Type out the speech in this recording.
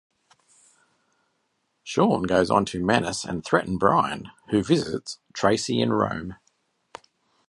Sean goes on to menace and threaten Brian, who visits Tracy in Rome.